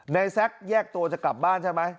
แซ็กแยกตัวจะกลับบ้านใช่ไหม